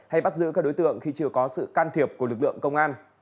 hay bắt giữ các đối tượng khi chưa có sự can thiệp của lực lượng công an